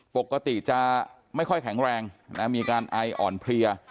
ปกติจะไม่ค่อยแข็งแรงมีการไออ่อนเพลีย